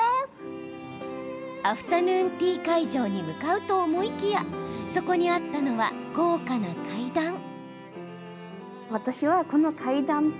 アフタヌーンティー会場に向かうと思いきやそこにあったのは豪華な階段。